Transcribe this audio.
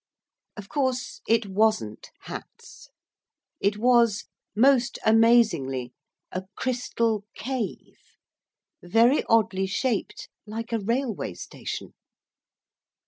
Of course it wasn't hats. It was, most amazingly, a crystal cave, very oddly shaped like a railway station.